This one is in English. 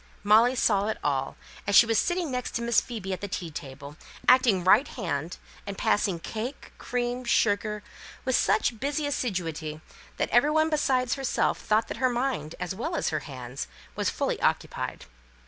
Molly saw it all, as she was sitting next to Miss Phoebe at the tea table, acting right hand, and passing cake, cream, sugar, with such busy assiduity that every one besides herself thought that her mind, as well as her hands, was fully occupied.